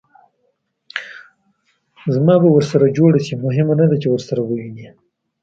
زما به ورسره جوړه شي؟ مهمه نه ده چې ورسره ووینې.